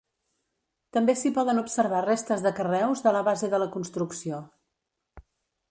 També s'hi poden observar restes de carreus de la base de la construcció.